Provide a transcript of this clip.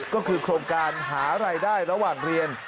ก็คือโครงการหารายได้ระหว่างเรียน